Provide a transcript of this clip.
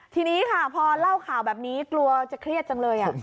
ทีนี้ค่ะพอเล่าข่าวแบบนี้กลัวจะเครียดจังเลย